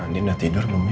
andi udah tidur belum ya